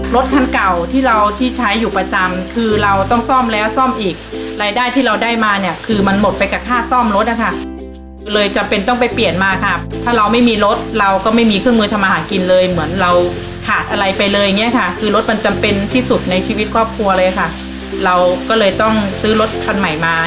รถคันเก่าที่เราที่ใช้อยู่ประจำคือเราต้องซ่อมแล้วซ่อมอีกรายได้ที่เราได้มาเนี่ยคือมันหมดไปกับค่าซ่อมรถอะค่ะเลยจำเป็นต้องไปเปลี่ยนมาค่ะถ้าเราไม่มีรถเราก็ไม่มีเครื่องมือทำอาหารกินเลยเหมือนเราขาดอะไรไปเลยอย่างเงี้ยค่ะคือรถมันจำเป็นที่สุดในชีวิตครอบครัวเลยค่ะเราก็เลยต้องซื้อรถคันใหม่มา